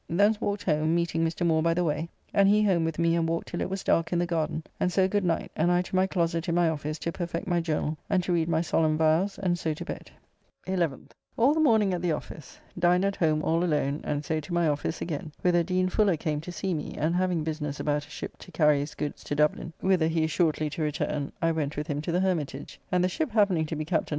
Thence walked home, meeting Mr. Moore by the way, and he home with me and walked till it was dark in the garden, and so good night, and I to my closet in my office to perfect my Journall and to read my solemn vows, and so to bed. 11th. All the morning at the office. Dined at home all alone, and so to my office again, whither Dean Fuller came to see me, and having business about a ship to carry his goods to Dublin, whither he is shortly to return, I went with him to the Hermitage, and the ship happening to be Captn.